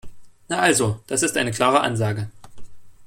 Na also, das ist eine klare Ansage.